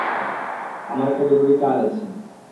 আমার একটা জরুরি কাজ আছে।